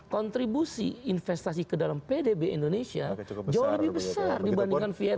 kontribusi investasi ke dalam pdb indonesia jauh lebih besar dibandingkan vietnam